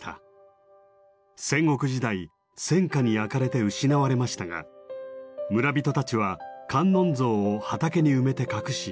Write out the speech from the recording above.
戦国時代戦火に焼かれて失われましたが村人たちは観音像を畑に埋めて隠し守り抜きました。